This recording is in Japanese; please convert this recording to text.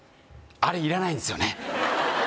あれいらないんですよ